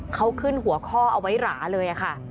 เขาขึ้นหัวข้อเอาไว้หราเลยค่ะ